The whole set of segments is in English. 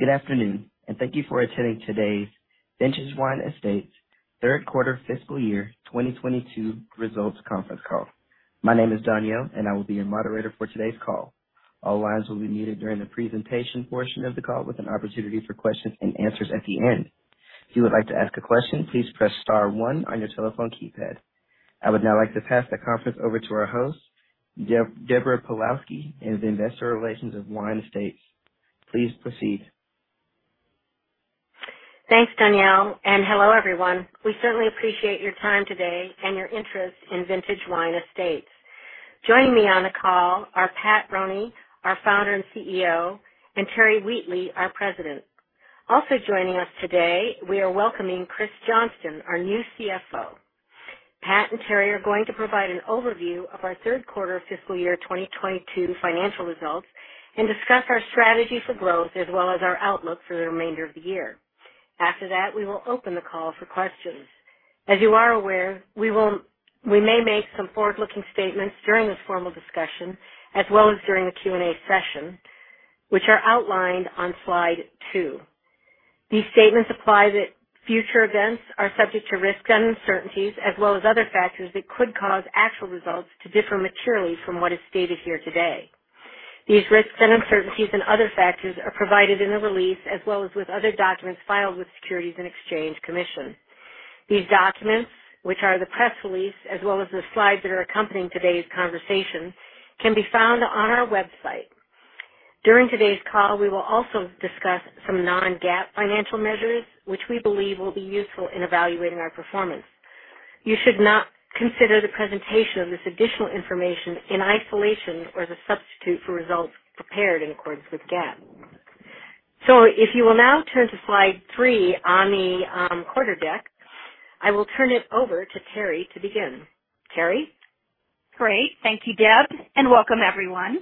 Good afternoon, and thank you for attending today's Vintage Wine Estates Third Quarter Fiscal Year 2022 results conference call. My name is Danielle, and I will be your moderator for today's call. All lines will be muted during the presentation portion of the call with an opportunity for questions and answers at the end. If you would like to ask a question, please press star one on your telephone keypad. I would now like to pass the conference over to our host, Deborah Pawlowski, Investor Relations, Vintage Wine Estates. Please proceed. Thanks, Danielle, and hello, everyone. We certainly appreciate your time today and your interest in Vintage Wine Estates. Joining me on the call are Pat Roney, our Founder and CEO, and Terry Wheatley, our President. Also joining us today, we are welcoming Kristina Johnston, our new CFO. Pat and Terry are going to provide an overview of our third quarter fiscal year 2022 financial results and discuss our strategy for growth as well as our outlook for the remainder of the year. After that, we will open the call for questions. As you are aware, we may make some forward-looking statements during this formal discussion, as well as during the Q&A session, which are outlined on slide two. These statements apply that future events are subject to risks and uncertainties, as well as other factors that could cause actual results to differ materially from what is stated here today. These risks and uncertainties and other factors are provided in the release as well as with other documents filed with Securities and Exchange Commission. These documents, which are the press release, as well as the slides that are accompanying today's conversation, can be found on our website. During today's call, we will also discuss some non-GAAP financial measures, which we believe will be useful in evaluating our performance. You should not consider the presentation of this additional information in isolation or as a substitute for results prepared in accordance with GAAP. If you will now turn to slide three on the quarter deck, I will turn it over to Terry to begin. Terry? Great. Thank you, Deb, and welcome everyone.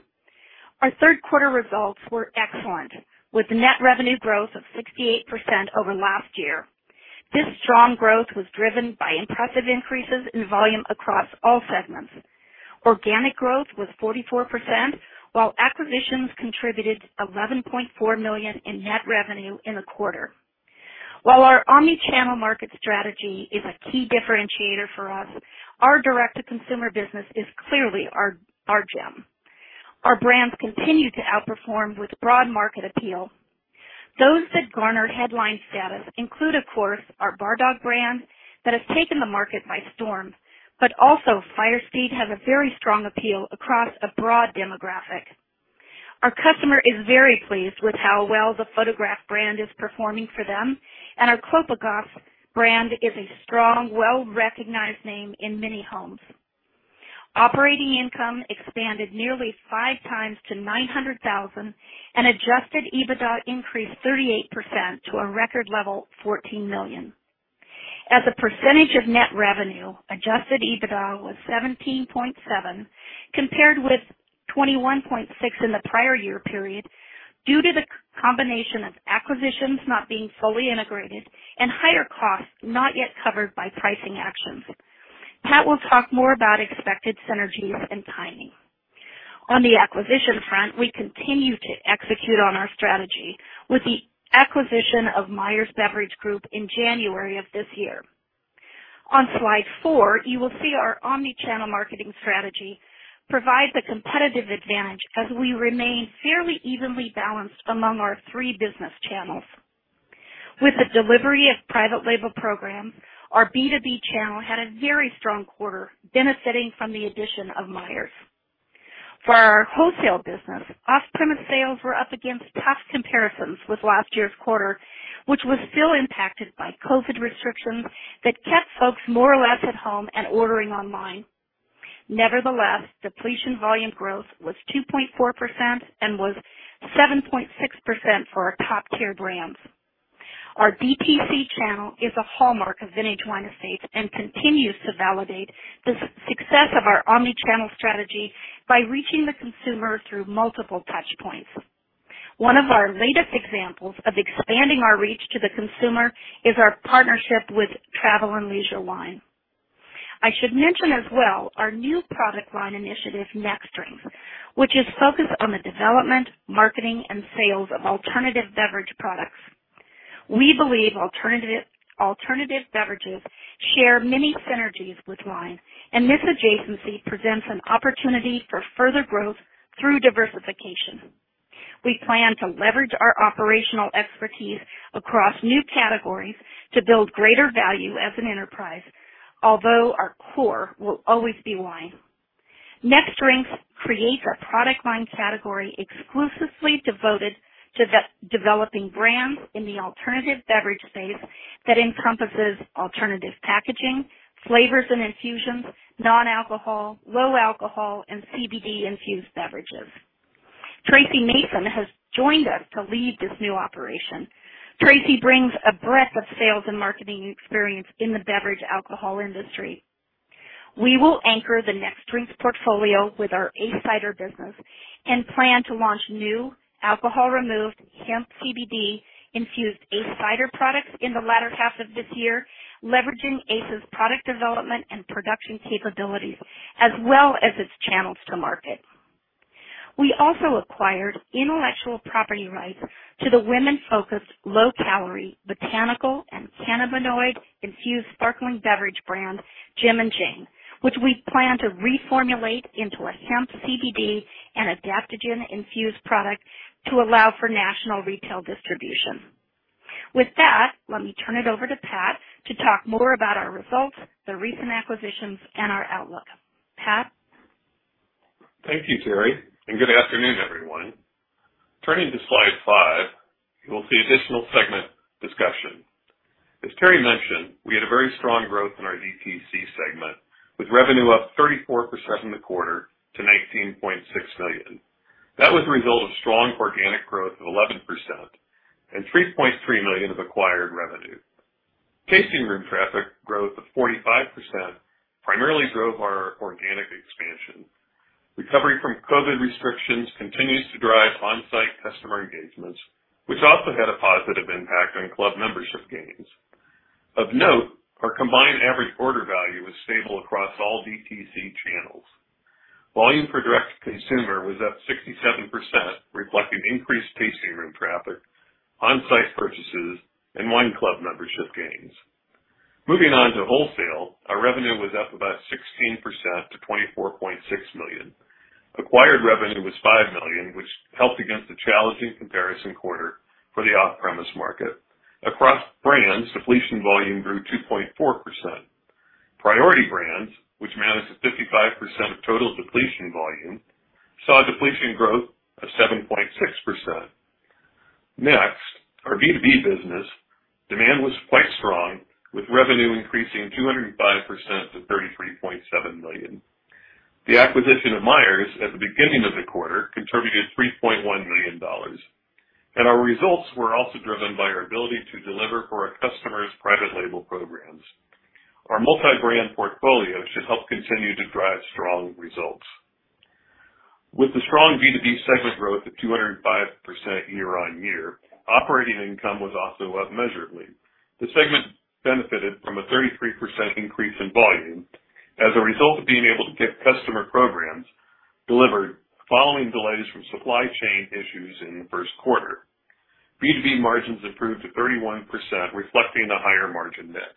Our third quarter results were excellent, with net revenue growth of 68% over last year. This strong growth was driven by impressive increases in volume across all segments. Organic growth was 44%, while acquisitions contributed $11.4 million in net revenue in the quarter. While our omni-channel market strategy is a key differentiator for us, our direct-to-consumer business is clearly our gem. Our brands continue to outperform with broad market appeal. Those that garnered headline status include, of course, our Bar Dog brand that has taken the market by storm. Also, Firesteed has a very strong appeal across a broad demographic. Our customer is very pleased with how well the Photograph brand is performing for them, and our Kopigoff brand is a strong, well-recognized name in many homes. Operating income expanded nearly five times to $900,000, and adjusted EBITDA increased 38% to a record level $14 million. As a percentage of net revenue, adjusted EBITDA was 17.7% compared with 21.6% in the prior year period due to the combination of acquisitions not being fully integrated and higher costs not yet covered by pricing actions. Pat will talk more about expected synergies and timing. On the acquisition front, we continue to execute on our strategy with the acquisition of Meier's Beverage Group in January of this year. On slide four, you will see our omni-channel marketing strategy provides a competitive advantage as we remain fairly evenly balanced among our three business channels. With the delivery of private label program, our B2B channel had a very strong quarter benefiting from the addition of Meier's. For our wholesale business, off-premise sales were up against tough comparisons with last year's quarter, which was still impacted by COVID restrictions that kept folks more or less at home and ordering online. Nevertheless, depletion volume growth was 2.4% and was 7.6% for our top-tier brands. Our DTC channel is a hallmark of Vintage Wine Estates and continues to validate the success of our omni-channel strategy by reaching the consumer through multiple touch points. One of our latest examples of expanding our reach to the consumer is our partnership with Travel + Leisure Wine. I should mention as well our new product line initiative, Next Drinks, which is focused on the development, marketing, and sales of alternative beverage products. We believe alternative beverages share many synergies with wine, and this adjacency presents an opportunity for further growth through diversification. We plan to leverage our operational expertise across new categories to build greater value as an enterprise, although our core will always be wine. Next Drinks creates a product line category exclusively devoted to developing brands in the alternative beverage space that encompasses alternative packaging, flavors and infusions, non-alcohol, low alcohol, and CBD-infused beverages. Tracey Mason has joined us to lead this new operation. Tracey brings a breadth of sales and marketing experience in the beverage alcohol industry. We will anchor the Next Drinks portfolio with our ACE Cider business and plan to launch new alcohol-removed hemp CBD-infused ACE Cider products in the latter half of this year, leveraging ACE's product development and production capabilities as well as its channels to market. We also acquired intellectual property rights to the women-focused, low-calorie, botanical and cannabinoid-infused sparkling beverage brand, Gem + Jane, which we plan to reformulate into a hemp CBD and adaptogen-infused product to allow for national retail distribution. With that, let me turn it over to Pat to talk more about our results, the recent acquisitions, and our outlook. Pat? Thank you, Terry, and good afternoon, everyone. Turning to slide five, you will see additional segment discussion. As Terry mentioned, we had a very strong growth in our DTC segment, with revenue up 34% in the quarter to $19.6 million. That was a result of strong organic growth of 11% and $3.3 million of acquired revenue. Tasting room traffic growth of 45% primarily drove our organic expansion. Recovery from COVID restrictions continues to drive on-site customer engagements, which also had a positive impact on club membership gains. Of note, our combined average order value was stable across all DTC channels. Volume for direct-to-consumer was up 67%, reflecting increased tasting room traffic, on-site purchases, and wine club membership gains. Moving on to wholesale, our revenue was up about 16% to $24.6 million. Acquired revenue was $5 million, which helped against the challenging comparison quarter for the off-premise market. Across brands, depletion volume grew 2.4%. Priority brands, which managed 55% of total depletion volume, saw a depletion growth of 7.6%. Next, our B2B business demand was quite strong, with revenue increasing 205% to $33.7 million. The acquisition of Meier's at the beginning of the quarter contributed $3.1 million, and our results were also driven by our ability to deliver for our customers' private label programs. Our multi-brand portfolio should help continue to drive strong results. With the strong B2B segment growth of 205% year-on-year, operating income was also up measurably. The segment benefited from a 33% increase in volume as a result of being able to get customer programs delivered following delays from supply chain issues in the first quarter. B2B margins improved to 31%, reflecting the higher margin mix.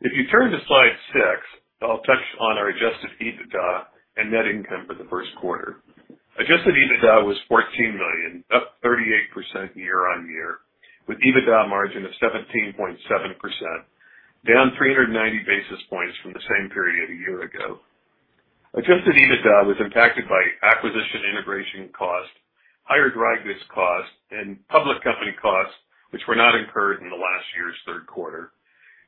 If you turn to slide six, I'll touch on our adjusted EBITDA and net income for the first quarter. Adjusted EBITDA was $14 million, up 38% year-on-year, with EBITDA margin of 17.7%, down 390 basis points from the same period a year ago. Adjusted EBITDA was impacted by acquisition integration cost, higher dry goods cost, and public company costs which were not incurred in the last year's third quarter,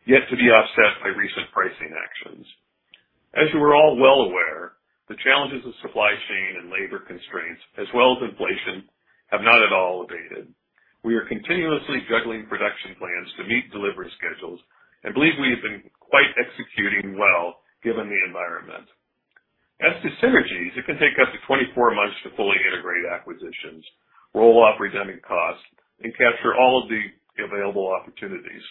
yet to be offset by recent pricing actions. As you are all well aware, the challenges of supply chain and labor constraints, as well as inflation, have not at all abated. We are continuously juggling production plans to meet delivery schedules and believe we have been quite executing well given the environment. As to synergies, it can take up to 24 months to fully integrate acquisitions, roll off redundant costs, and capture all of the available opportunities.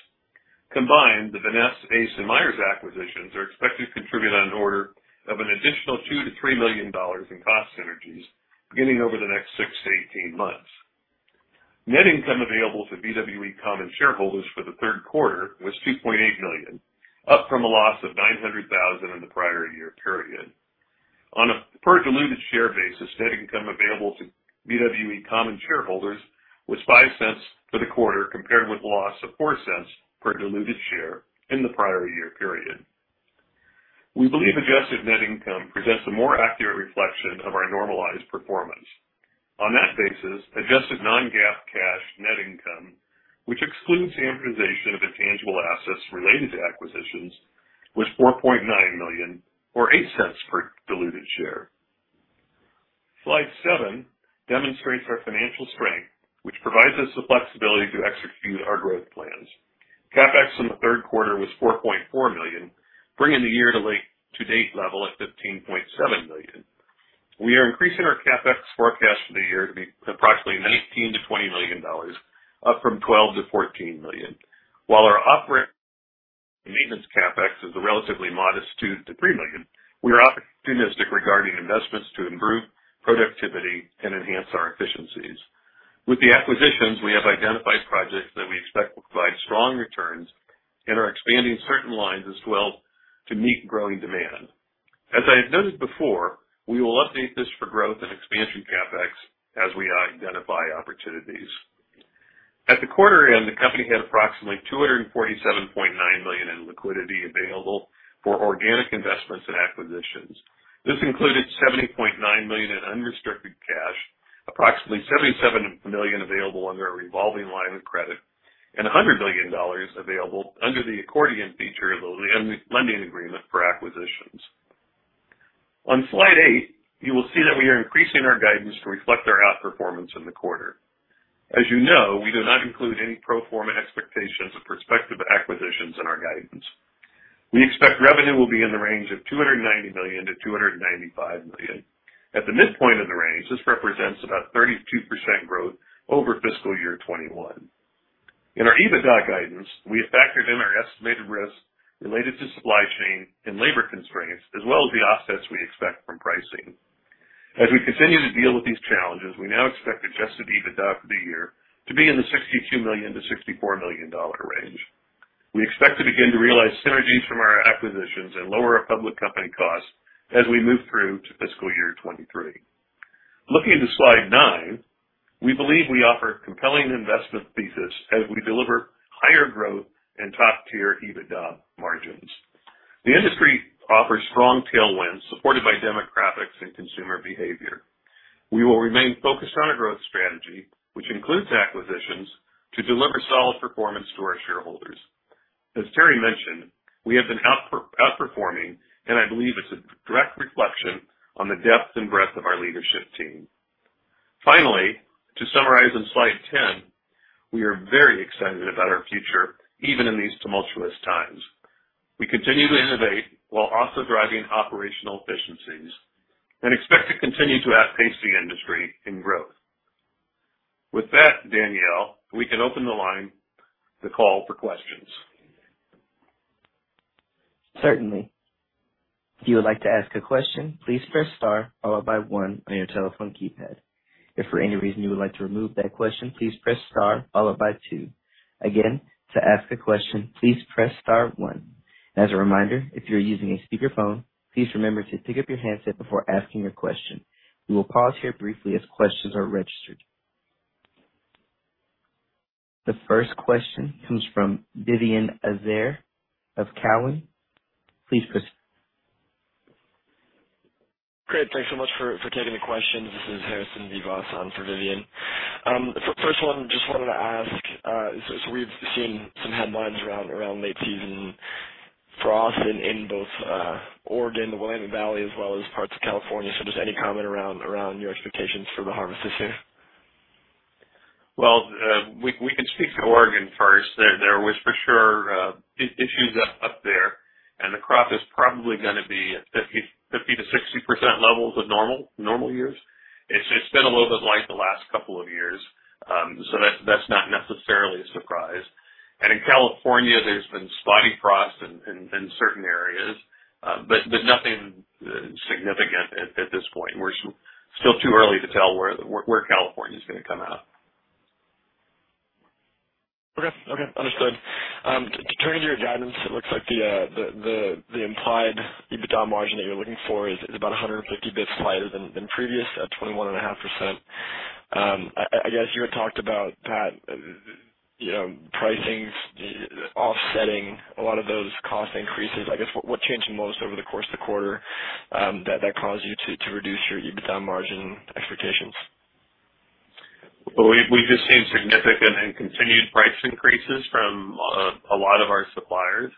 Combined, the Vinesse, ACE, and Meier's acquisitions are expected to contribute on the order of an additional $2-$3 million in cost synergies beginning over the next six-18 months. Net income available to VWE common shareholders for the third quarter was $2.8 million, up from a loss of $900,000 in the prior year period. On a per diluted share basis, net income available to VWE common shareholders was $0.05 for the quarter, compared with loss of $0.04 per diluted share in the prior year period. We believe adjusted net income presents a more accurate reflection of our normalized performance. On that basis, adjusted non-GAAP cash net income, which excludes the amortization of intangible assets related to acquisitions, was $4.9 million or $0.08 per diluted share. Slide seven, demonstrates our financial strength, which provides us the flexibility to execute our growth plans. CapEx in the third quarter was $4.4 million, bringing the year-to-date level at $15.7 million. We are increasing our CapEx forecast for the year to be approximately $19-$20 million, up from $12-$14 million. While our operating and maintenance CapEx is a relatively modest $2-$3 million, we are opportunistic regarding investments to improve productivity and enhance our efficiencies. With the acquisitions, we have identified projects that we expect will provide strong returns and are expanding certain lines as well to meet growing demand. As I have noted before, we will update this for growth and expansion CapEx as we identify opportunities. At the quarter end, the company had approximately $247.9 million in liquidity available for organic investments and acquisitions. This included $70.9 million in unrestricted cash, approximately $77 million available under a revolving line of credit, and $100 million available under the accordion feature of the lending agreement for acquisitions. On Slide eight, you will see that we are increasing our guidance to reflect our outperformance in the quarter. As you know, we do not include any pro forma expectations of prospective acquisitions in our guidance. We expect revenue will be in the range of $290 million-$295 million. At the midpoint of the range, this represents about 32% growth over fiscal year 2021. In our EBITDA guidance, we have factored in our estimated risk related to supply chain and labor constraints, as well as the offsets we expect from pricing. As we continue to deal with these challenges, we now expect adjusted EBITDA for the year to be in the $62 million-$64 million range. We expect to begin to realize synergies from our acquisitions and lower our public company costs as we move through to fiscal year 2023. Looking to slide nine. We believe we offer a compelling investment thesis as we deliver higher growth and top-tier EBITDA margins. The industry offers strong tailwinds supported by demographics and consumer behavior. We will remain focused on a growth strategy, which includes acquisitions, to deliver solid performance to our shareholders. As Terry mentioned, we have been outperforming, and I believe it's a direct reflection on the depth and breadth of our leadership team. Finally, to summarize on slide 10, we are very excited about our future, even in these tumultuous times. We continue to innovate while also driving operational efficiencies and expect to continue to outpace the industry in growth. With that, Danielle, we can open the line to call for questions. Certainly. If you would like to ask a question, please press star followed by one on your telephone keypad. If for any reason you would like to remove that question, please press star followed by two. Again, to ask a question, please press star one. As a reminder, if you're using a speakerphone, please remember to pick up your handset before asking your question. We will pause here briefly as questions are registered. The first question comes from Vivien Azer of Cowen. Please proceed. Great, thanks so much for taking the questions. This is Harrison Vivas on for Vivien. First of all, just wanted to ask, so we've seen some headlines around late season frost in both Oregon, the Willamette Valley, as well as parts of California. Just any comment around your expectations for the harvest this year? Well, we can speak to Oregon first. There was for sure issues up there, and the crop is probably gonna be at 50%-60% levels of normal years. It's been a little bit light the last couple of years, so that's not necessarily a surprise. In California, there's been spotty frost in certain areas, but nothing significant at this point. We're still too early to tell where California's gonna come out. Okay. Understood. Turning to your guidance, it looks like the implied EBITDA margin that you're looking for is about 150 basis points higher than previous at 21.5%. I guess you had talked about, Pat, you know, pricings offsetting a lot of those cost increases. I guess what changed most over the course of the quarter that caused you to reduce your EBITDA margin expectations? Well, we've just seen significant and continued price increases from a lot of our suppliers.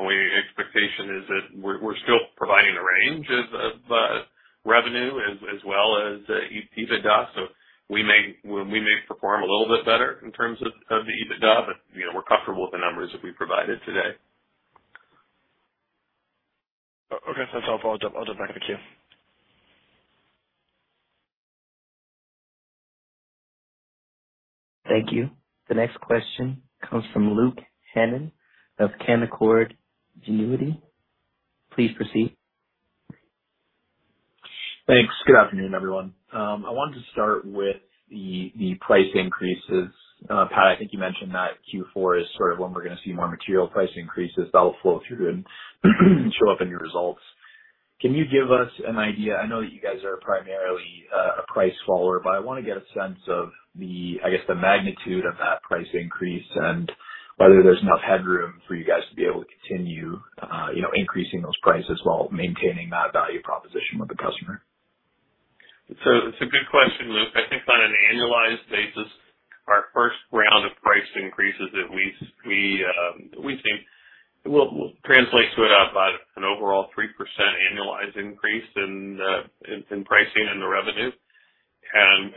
Expectation is that we're still providing a range of revenue as well as EBITDA. We may perform a little bit better in terms of the EBITDA, but you know, we're comfortable with the numbers that we provided today. Okay. That's all. I'll drop back in the queue. Thank you. The next question comes from Luke Hannan of Canaccord Genuity. Please proceed. Thanks. Good afternoon, everyone. I wanted to start with the price increases. Pat, I think you mentioned that Q4 is sort of when we're gonna see more material price increases that will flow through and show up in your results? Can you give us an idea. I know that you guys are primarily a price follower, but I wanna get a sense of, I guess, the magnitude of that price increase and whether there's enough headroom for you guys to be able to continue you know, increasing those prices while maintaining that value proposition with the customer. It's a good question, Luke. I think on an annualized basis, our first round of price increases that we think will translate to about an overall 3% annualized increase in pricing and the revenue.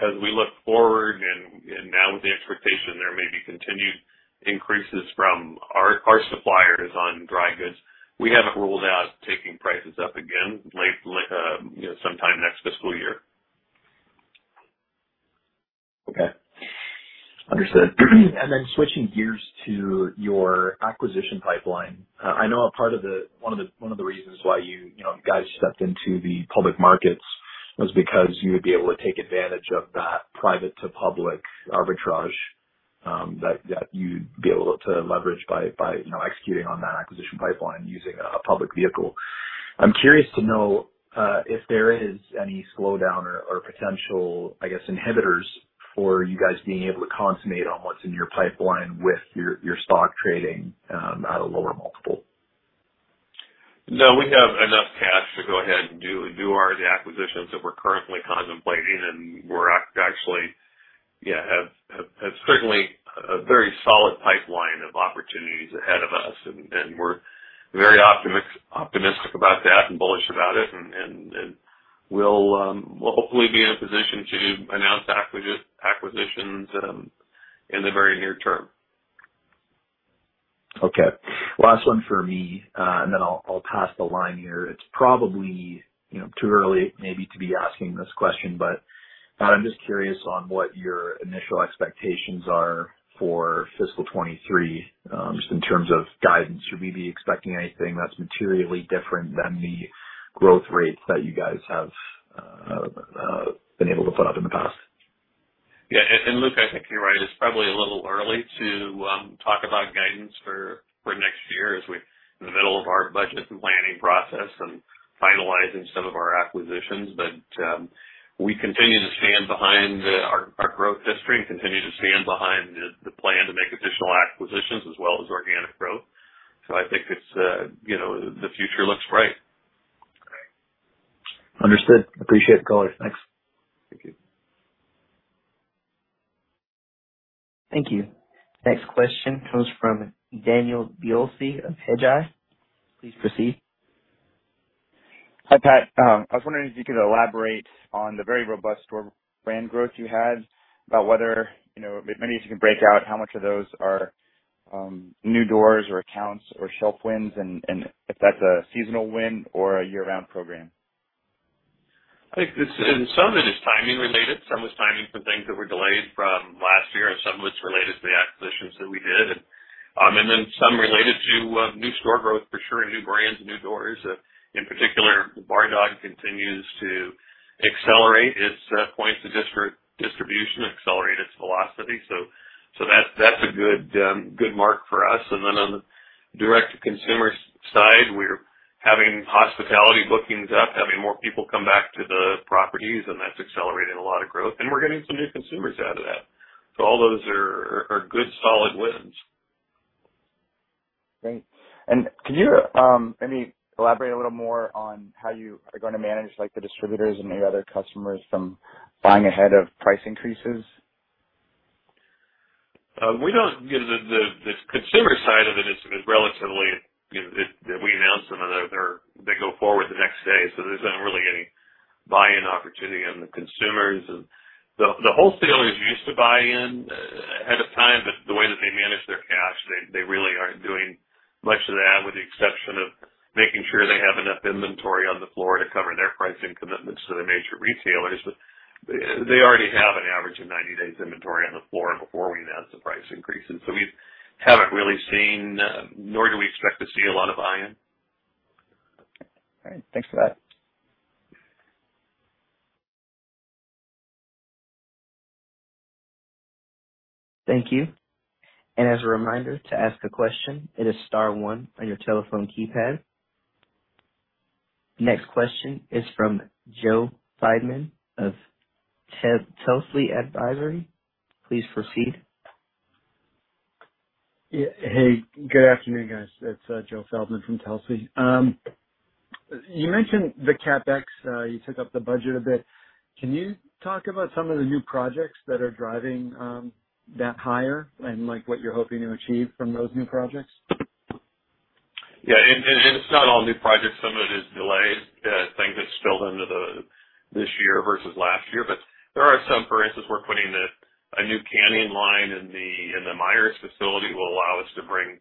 As we look forward and now with the expectation there may be continued increases from our suppliers on dry goods, we haven't ruled out taking prices up again late, you know, sometime next fiscal year. Okay. Understood. Switching gears to your acquisition pipeline. I know one of the reasons why you know guys stepped into the public markets was because you would be able to take advantage of that private to public arbitrage, that you'd be able to leverage by you know executing on that acquisition pipeline using a public vehicle. I'm curious to know if there is any slowdown or potential, I guess, inhibitors for you guys being able to consummate on what's in your pipeline with your stock trading at a lower multiple? No, we have enough cash to go ahead and do our acquisitions that we're currently contemplating. We actually, yeah, have certainly a very solid pipeline of opportunities ahead of us. We'll hopefully be in a position to announce acquisitions in the very near term. Okay. Last one for me, and then I'll pass the line here. It's probably, you know, too early maybe to be asking this question, but I'm just curious on what your initial expectations are for fiscal 2023, just in terms of guidance? Should we be expecting anything that's materially different than the growth rates that you guys have been able to put up in the past? Yeah. Luke, I think you're right. It's probably a little early to talk about guidance for next year, as we're in the middle of our budget and planning process and finalizing some of our acquisitions. We continue to stand behind our growth history and continue to stand behind the plan to make additional acquisitions as well as organic growth. I think it's you know, the future looks bright. Understood. Appreciate the color. Thanks. Thank you. Thank you. Next question comes from Daniel Biolsi of Hedgeye. Please proceed. Hi, Pat. I was wondering if you could elaborate on the very robust store brand growth you had, about whether, you know, if maybe you can break out how much of those are new doors or accounts or shelf wins and if that's a seasonal win or a year-round program? I think it's. Some of it is timing related. Some was timing for things that were delayed from last year and some of it's related to the acquisitions that we did. Some related to new store growth for sure, and new brands and new doors. In particular, Bar Dog continues to accelerate its points of distribution and accelerate its velocity. So that's a good mark for us. On the direct-to-consumer side, we're having hospitality bookings up, having more people come back to the properties, and that's accelerating a lot of growth. We're getting some new consumers out of that. All those are good solid wins. Great. Can you maybe elaborate a little more on how you are gonna manage, like, the distributors and maybe other customers from buying ahead of price increases? We don't get it. The consumer side of it is relatively, you know, we announce them and they go forward the next day. There's not really any buy-in opportunity on the consumers. The wholesalers used to buy in ahead of time, but the way that they manage their cash, they really aren't doing much of that, with the exception of making sure they have enough inventory on the floor to cover their pricing commitments to the major retailers. They already have an average of 90 days inventory on the floor before we announce the price increases. We haven't really seen, nor do we expect to see a lot of buy-in. All right. Thanks for that. Thank you. As a reminder, to ask a question, it is star one on your telephone keypad. Next question is from Joe Feldman of Telsey Advisory Group. Please proceed. Yeah. Hey, good afternoon, guys. It's Joe Feldman from Telsey. You mentioned the CapEx. You took up the budget a bit. Can you talk about some of the new projects that are driving that higher and, like, what you're hoping to achieve from those new projects? Yeah. It's not all new projects. Some of it is delays, things that spilled into this year versus last year. There are some. For instance, we're putting a new canning line in the Meier's facility will allow us to bring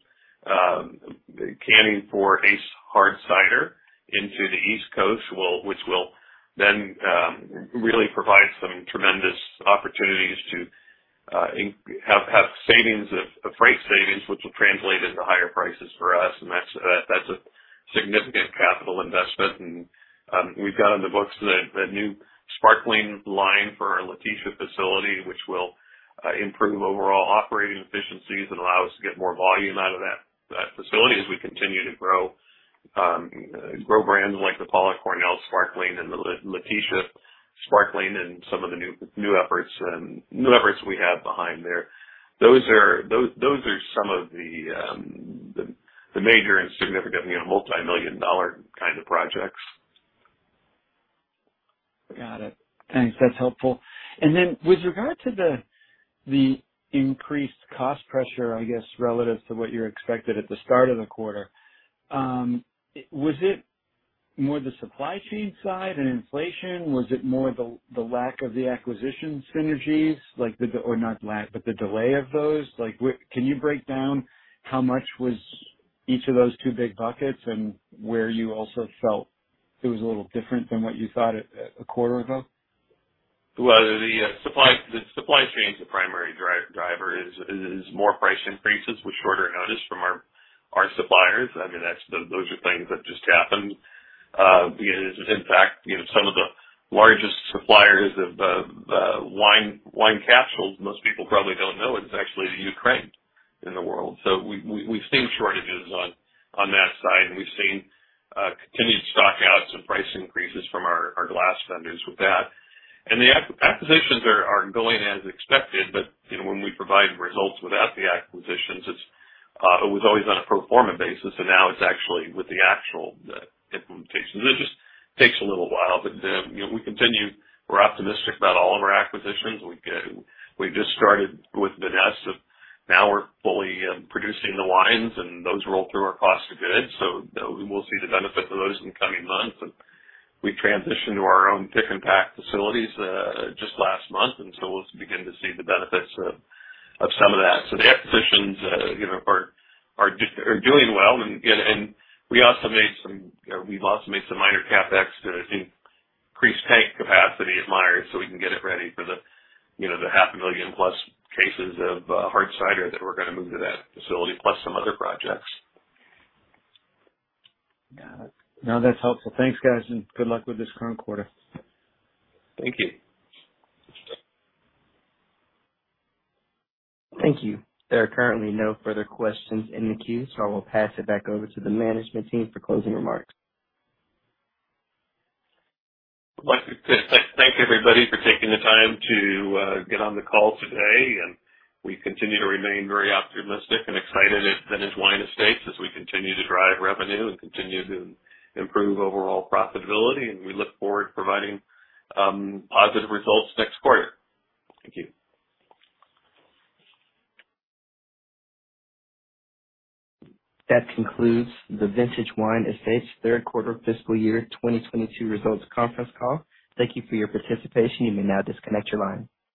canning for Ace Cider into the East Coast, which will then really provide some tremendous opportunities to have savings of freight savings, which will translate into higher prices for us. That's a significant capital investment. We've got on the books the new sparkling line for our Laetitia facility, which will improve overall operating efficiencies and allow us to get more volume out of that facility as we continue to grow brands like the Paul Masson Sparkling and the Laetitia Sparkling and some of the new efforts we have behind there. Those are some of the major and significant, you know, multimillion-dollar kind of projects. Got it. Thanks. That's helpful. Then with regard to the increased cost pressure, I guess, relative to what you expected at the start of the quarter, was it more the supply chain side and inflation? Was it more the lack of the acquisition synergies or not lack, but the delay of those? Like, can you break down how much was each of those two big buckets and where you also felt it was a little different than what you thought a quarter ago? The supply chain is the primary driver is more price increases with shorter notice from our suppliers. I mean, those are things that just happened. In fact, you know, some of the largest suppliers of wine capsules, most people probably don't know, is actually Ukraine in the world. We've seen shortages on that side and we've seen continued stock outs and price increases from our glass vendors with that. The acquisitions are going as expected. You know, when we provide results without the acquisitions, it was always on a pro format basis and now it's actually with the actual implementations. It just takes a little while. You know, we continue. We're optimistic about all of our acquisitions. We just started with Vinesse. Now we're fully producing the wines and those roll through our cost of goods, so we'll see the benefit of those in coming months. We transitioned to our own pick and pack facilities just last month, and so we'll begin to see the benefits of some of that. The acquisitions, you know, are doing well. We've also made some minor CapEx to increase tank capacity at Meier's so we can get it ready for the, you know, the 500,000+ cases of hard cider that we're gonna move to that facility, plus some other projects. Got it. No, that's helpful. Thanks, guys. Good luck with this current quarter. Thank you. Thank you. There are currently no further questions in the queue, so I will pass it back over to the management team for closing remarks. I'd like to just, like, thank everybody for taking the time to get on the call today. We continue to remain very optimistic and excited at Vintage Wine Estates as we continue to drive revenue and continue to improve overall profitability, and we look forward to providing positive results next quarter. Thank you. That concludes the Vintage Wine Estates third quarter fiscal year 2022 results conference call. Thank you for your participation. You may now disconnect your line.